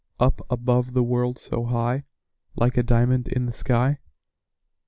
Up above the world so high, Like a diamond in the sky.